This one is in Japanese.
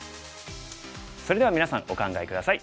それではみなさんお考え下さい。